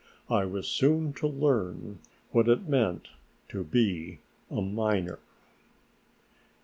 I was soon to learn what it meant to be a miner.